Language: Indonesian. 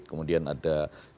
kemudian ada delapan belas